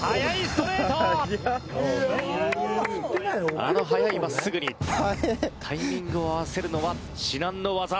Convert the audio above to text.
あの速い真っすぐにタイミングを合わせるのは至難の業。